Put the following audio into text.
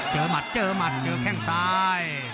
เจอหมัดเจอแข่งซ้าย